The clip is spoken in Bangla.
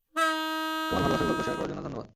তোমার ভালবাসার গল্প শেয়ার করার জন্যে ধন্যবাদ।